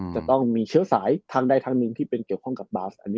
จะต้องมีเชื้อสายทางใดทางหนึ่งที่เป็นเกี่ยวข้องกับบาส